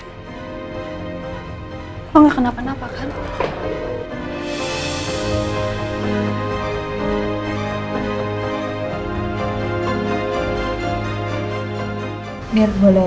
nir boleh tolong antren antren aku ke mobil dulu